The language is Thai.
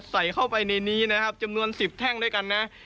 ใส่เข้าไปในนี้นะครับจำนวน๑๐แท่งด้วยกันนะ